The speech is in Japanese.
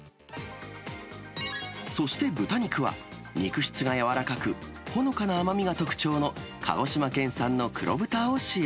そして豚肉は、肉質が柔らかく、ほのかな甘みが特徴の鹿児島県産の黒豚を使用。